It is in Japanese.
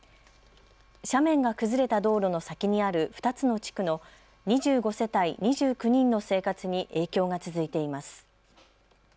斜面が崩れた道路の先にある２つの地区の２５世帯２９人の生活に影響が続いています。